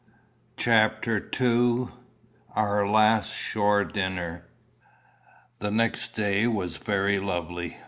CHAPTER II. OUR LAST SHORE DINNER. The next day was very lovely.